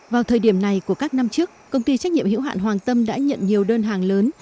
vào thời điểm này của các năm trước công ty trách nhiệm hữu hạn hoàng tâm đã nhận nhiều đơn hàng lớn